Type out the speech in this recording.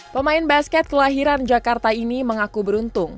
pemain basket kelahiran jakarta ini mengaku beruntung